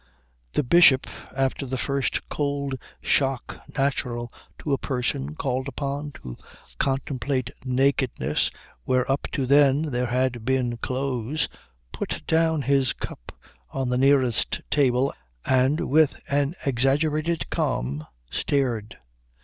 The Bishop, after the first cold shock natural to a person called upon to contemplate nakedness where up to then there had been clothes, put down his cup on the nearest table and, with an exaggerated calm, stared.